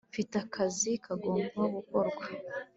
mfite akazi kagomba gukorwa